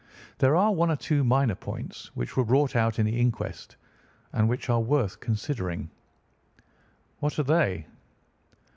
There are one or two minor points which were brought out in the inquest, and which are worth considering." "What are they?"